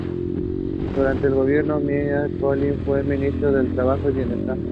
Durante el Gobierno de Mihály Károlyi fue ministro de Trabajo y Bienestar.